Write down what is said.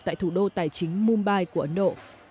tại thủ đô tài chính mumbai của ấn độ